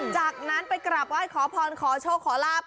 จากนั้นไปกลับฮอยขอพลขอโชคขอลาภ